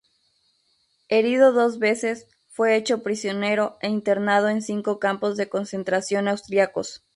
Herido dos veces, fue hecho prisionero e internado en cinco campos de concentración austriacos.